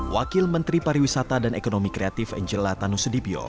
wakil menteri pariwisata dan ekonomi kreatif angela tanusedibyo